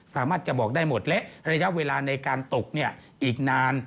สามารถจะบอกได้หมดและระยะเวลาในการตกอีกนาน